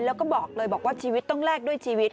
แล้วก็บอกเลยบอกว่าชีวิตต้องแลกด้วยชีวิต